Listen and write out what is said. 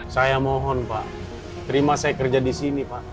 saya mohon pak terima saya kerja di sini pak